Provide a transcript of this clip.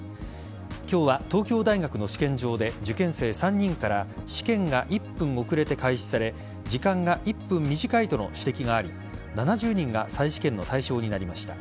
今日は、東京大学の試験場で受験生３人から試験が１分遅れて開始され時間が１分短いとの指摘があり７０人が再試験の対象になりました。